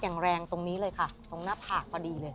อย่างแรงตรงนี้เลยค่ะตรงหน้าผากพอดีเลย